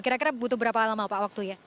kira kira butuh berapa lama pak waktu ya